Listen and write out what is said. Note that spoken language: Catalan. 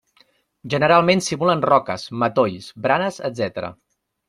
Generalment simulen roques, matolls, baranes, etcètera.